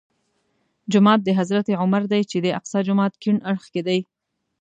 جومات د حضرت عمر دی چې د اقصی جومات کیڼ اړخ کې دی.